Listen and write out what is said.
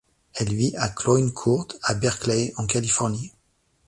Elle vit à Cloyne Cour, à Berkeley, en Californie.